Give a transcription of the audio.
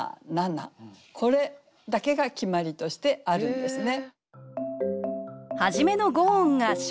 これだけが決まりとしてあるんですね。